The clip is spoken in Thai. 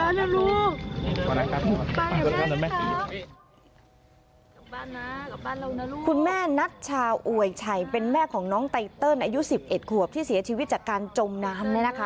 เณรคุณแม่นัทชาวอวยชัยเป็นแม่ของน้องเตรตเติ้ลอายุสิบเอ็ดควบที่เสียชีวิตจากการจมน้ำนะคะ